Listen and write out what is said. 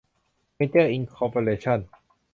เวนเจอร์ อินคอร์ปอเรชั่น